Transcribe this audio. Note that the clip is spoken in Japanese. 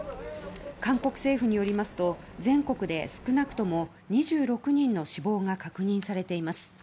韓国政府によりますと全国で少なくとも２６人の死亡が確認されています。